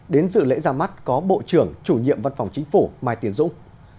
đến dự lễ ra mắt có bộ trưởng chủ nhiệm văn phòng chính phủ mai tiến dũng